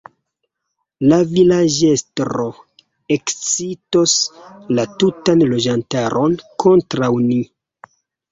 La vilaĝestro ekscitos la tutan loĝantaron kontraŭ ni.